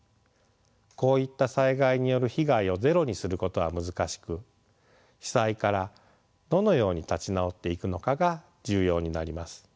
こういった災害による被害をゼロにすることは難しく被災からどのように立ち直っていくのかが重要になります。